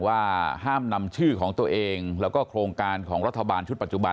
ว่าห้ามนำชื่อของตัวเองแล้วก็โครงการของรัฐบาลชุดปัจจุบัน